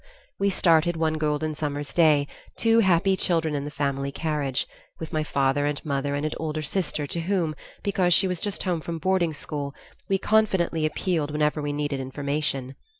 We started one golden summer's day, two happy children in the family carriage, with my father and mother and an older sister to whom, because she was just home from boarding school, we confidently appealed whenever we needed information.